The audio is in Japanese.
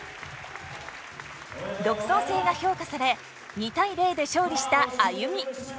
独創性が評価され２対０で勝利したＡＹＵＭＩ。